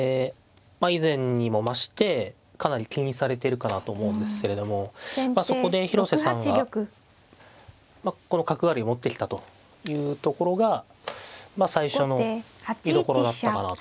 以前にも増してかなり気にされてるかなと思うんですけれどもまあそこで広瀬さんがこの角換わりを持ってきたというところが最初の見どころだったかなと。